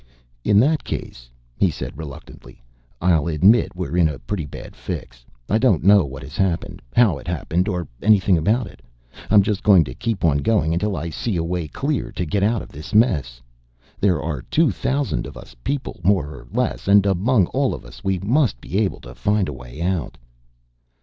"In that case," he said reluctantly, "I'll admit we're in a pretty bad fix. I don't know what has happened, how it happened, or anything about it. I'm just going to keep on going until I see a way clear to get out of this mess. There are two thousand of us people, more or less, and among all of us we must be able to find a way out."